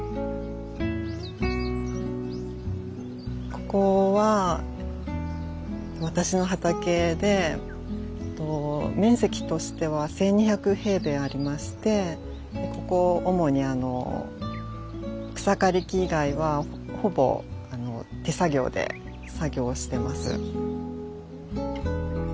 ここは私の畑でえっと面積としては１，２００平米ありましてでここ主にあの草刈り機以外はほぼ手作業で作業してます。